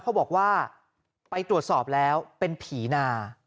เขาบอกว่าไปตรวจสอบแล้วเป็นผีนา